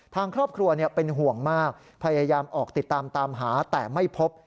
ทางครอบครัวเป็นห่วงมากพยายามออกติดตามตามหาแต่ไม่พบ